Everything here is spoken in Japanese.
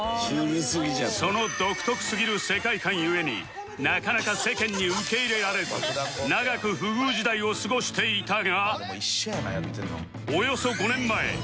その独特すぎる世界観故になかなか世間に受け入れられず長く不遇時代を過ごしていたが